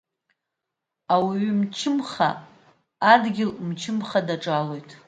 Ауаҩы мчымха адгьыл мчымха даҿалоит.